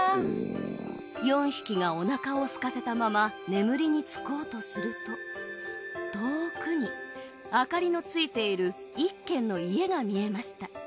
４匹がお腹をすかせたまま眠りにつこうとすると遠くに明かりのついている一軒の家が見えました